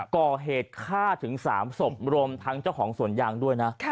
ก่อเหตุฆ่าถึง๓ศพรวมทั้งเจ้าของสวนยางด้วยนะ